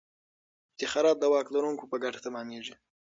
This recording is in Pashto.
افتخارات د واک لرونکو په ګټه تمامیږي.